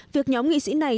việc nhóm nghị sĩ này